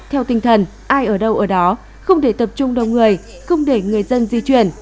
theo tinh thần ai ở đâu ở đó không để tập trung đông người không để người dân di chuyển